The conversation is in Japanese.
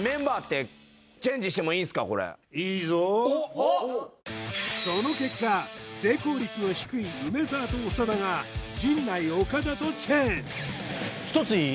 これってその結果成功率の低い梅沢と長田が陣内岡田とチェンジ１ついい？